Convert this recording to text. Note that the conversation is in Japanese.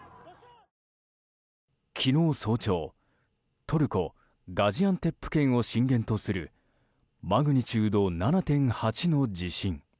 昨日早朝トルコ・ガジアンテップ県を震源とするマグニチュード７．８の地震。